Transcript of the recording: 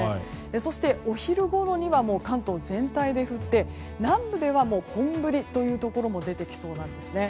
そして、お昼ごろにはもう関東全体で降って南部では本降りというところも出てきそうなんです。